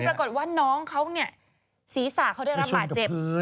ปรากฏว่าน้องเขาเนี่ยศีรษะเขาได้รับบาดเจ็บ